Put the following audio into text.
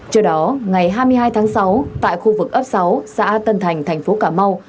trước đó ngày hai mươi hai tháng sáu tại khu vực ấp sáu xã tân thành thành phố cà mau